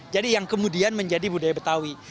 jadi yang kemudian menjadi budaya betawi